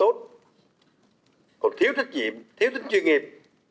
còn thiếu trách nhiệm thiếu trách chuyên nghiệp